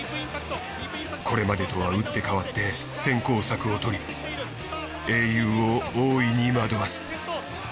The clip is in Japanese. これまでとは打って変わって先行策をとり英雄を大いに惑わす。